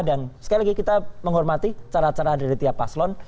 dan sekali lagi kita menghormati cara cara dari tiap paslon